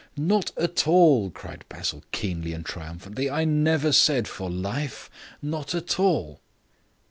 "Not at all," cried Basil, keenly and triumphantly. "I never said for life. Not at all."